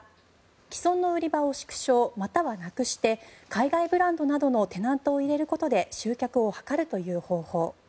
既存の売り場を縮小またはなくして海外ブランドなどのテナントを入れることで集客を図るという方法。